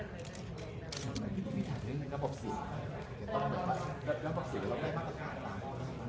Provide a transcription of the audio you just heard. แล้วปรบศิษย์ก็รอใกล้มากกว่าค่ะ